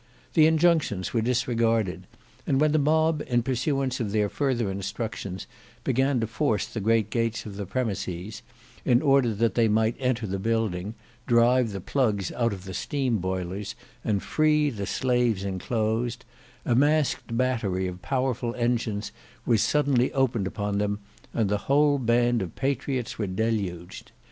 The injunctions were disregarded, and when the mob in pursuance of their further instructions began to force the great gates of the premises, in order that they might enter the building, drive the plugs out of the steam boilers, and free the slaves enclosed, a masqued battery of powerful engines was suddenly opened upon them, and the whole band of patriots were deluged.